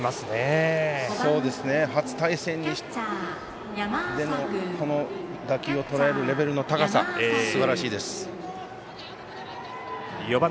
初対戦でこの打球をとらえるレベルの高さ、すばらしいです。